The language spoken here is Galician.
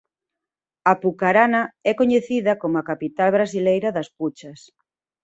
Apucarana é coñecida como a capital brasileira das puchas.